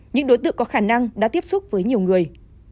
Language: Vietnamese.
những đối tượng có khả năng đã tiếp xúc với nhiều người